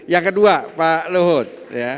yang kedua pak lohut